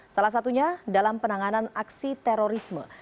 salah satunya dalam penanganan aksi terorisme